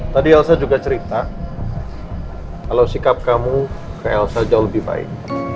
tadi elsa juga cerita kalau sikap kamu ke elsa jauh lebih baik